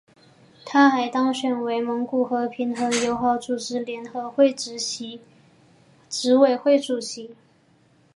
他还当选为蒙古和平与友好组织联合会执委会主席。